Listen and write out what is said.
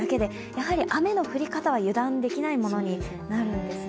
やはり雨の降り方は油断できないものになるんですね。